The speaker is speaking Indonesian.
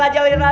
kau mau ngapain